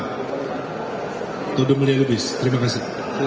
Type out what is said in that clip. hai untuk melihat bisnis terima kasih